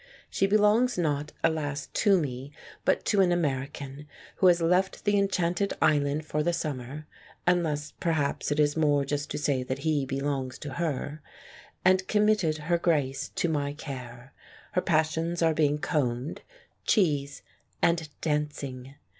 She belongs not, alas, to me, but to an Ameri can, who has left the enchanted island for the summer (unless perhaps it is more just to say that he belongs to her), and committed Her Grace to my care. Her passions are being combed, cheese and dancing.